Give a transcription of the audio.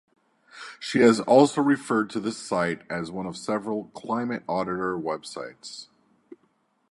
She has also referred to this site as one of several "Climate Auditor" websites.